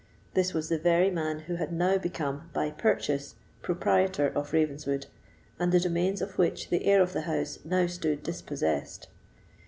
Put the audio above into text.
This was the very man who had now become, by purchase, proprietor of Ravenswood, and the domains of which the heir of the house now stood dispossessed.